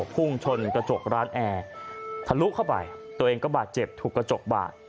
พุ่งชนกระจกร้านแอร์ทะลุเข้าไปตัวเองก็บาดเจ็บถูกกระจกบาด